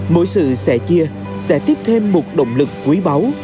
mỗi sự sẻ chia sẽ tiếp thêm một động lực quý báu